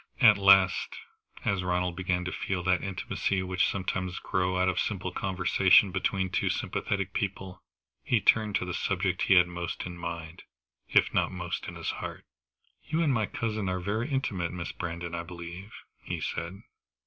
At last, as Ronald began to feel that intimacy which sometimes grows out of a simple conversation between two sympathetic people, he turned to the subject he had most in mind, if not most in his heart. "You and my cousin are very intimate, Miss Brandon, I believe?" he said.